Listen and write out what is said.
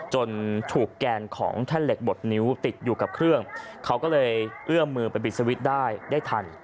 จนถูกแกนของแท่นเหล็กบดนิ้วติดอยู่กับเครื่องเขาก็เลยเอื้อมมือไปปิดสวิตช์ได้ได้ทัน